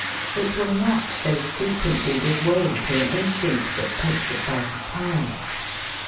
It will not so frequently give way to an instinct that takes it by surprise.